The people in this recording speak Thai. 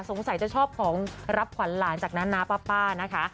สงสัยจะชอบของรับขวัญหลานจากน้านาป้านะคะ